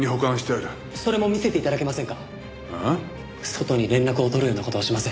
外に連絡を取るような事はしません。